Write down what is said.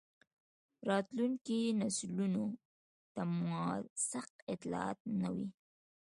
راتلونکو نسلونو ته موثق اطلاعات نه وي.